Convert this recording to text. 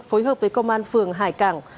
phối hợp với công an phường hải cảng